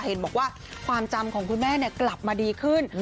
เห็นบอกว่าความจำของคุณแม่กลับมาดีขึ้น